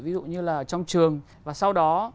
ví dụ như là trong trường và sau đó